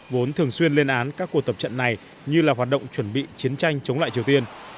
vốn thường xuyên lên án các cuộc tập trận này như là hoạt động chuẩn bị chiến tranh chống lại triều tiên